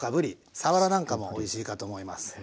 さわらなんかもおいしいかと思います。